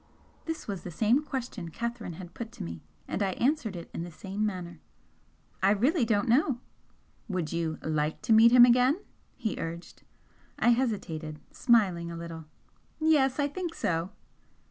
This was the same question Catherine had put to me, and I answered it in the same manner. "I really don't know!" "Would you LIKE to meet him again?" he urged. I hesitated, smiling a little. "Yes, I think so!"